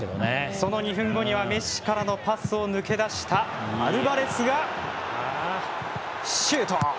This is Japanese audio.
その２分後にはメッシからのパスを抜け出したアルバレスがシュート。